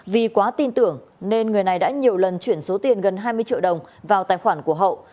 vì quá tin tưởng nên người này đã nhiều lần chuyển số tiền gần hai mươi triệu đồng vào tài khoản của hậu